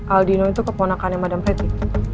aldino itu keponakannya madam fetry